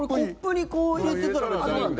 コップに入れてたら別にいいんだ。